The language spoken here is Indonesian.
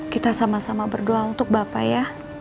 kita sama sama berdoa untuk bapak ya